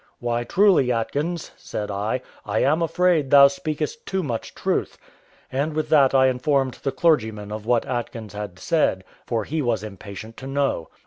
"Why, truly, Atkins," said I, "I am afraid thou speakest too much truth;" and with that I informed the clergyman of what Atkins had said, for he was impatient to know.